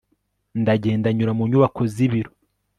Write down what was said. Ndagenda nyura mu nyubako zibiro